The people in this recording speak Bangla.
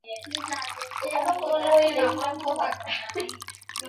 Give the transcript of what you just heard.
অক্ষয় তাহার পিঠ চাপড়াইয়া কহিলেন, নেই তো কী?